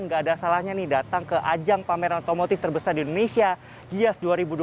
nggak ada salahnya nih datang ke ajang pameran otomotif terbesar di indonesia gias dua ribu dua puluh